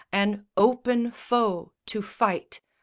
An open foe to fight!